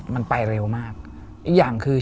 มันไปเร็วมากอีกอย่างคือ